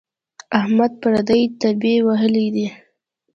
احمد پردۍ تبې وهلی دی.